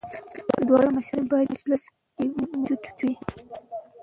دواړه مشران باید په مجلس کي موجود وي.